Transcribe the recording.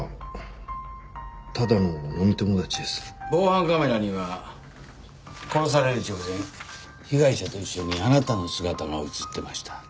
防犯カメラには殺される直前被害者と一緒にあなたの姿が映ってました。